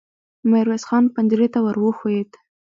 ميرويس خان پنجرې ته ور وښويېد.